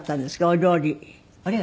お料理？